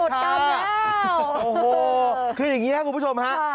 โอ้โหคืออย่างนี้ครับคุณผู้ชมฮะ